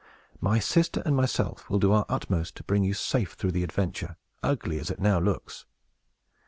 My sister and myself will do our utmost to bring you safe through the adventure, ugly as it now looks."